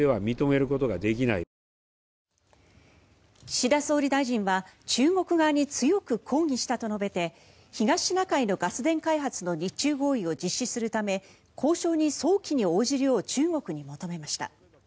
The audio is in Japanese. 岸田総理大臣は中国側に強く抗議したと述べて東シナ海のガス田開発の日中合意を実施するため交渉に早期に応じるよう中国に求めました。